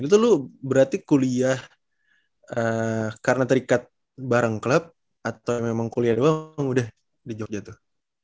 itu lu berarti kuliah karena terikat bareng klub atau memang kuliah doang udah di jogja tuh